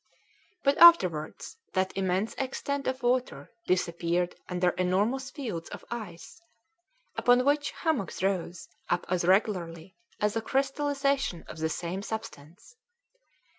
But afterwards that immense extent of water disappeared under enormous fields of ice, upon which hummocks rose up as regularly as a crystallisation of the same substance.